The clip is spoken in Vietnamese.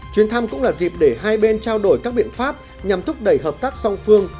chuyến thăm cũng là dịp để hai bên trao đổi các biện pháp nhằm thúc đẩy hợp tác song phương